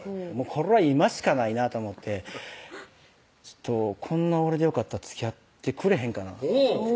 これは今しかないなと思って「ちょっとこんな俺でよかったらつきあってくれへんかな？」